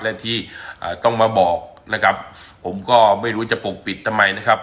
และที่อ่าต้องมาบอกนะครับผมก็ไม่รู้จะปกปิดทำไมนะครับ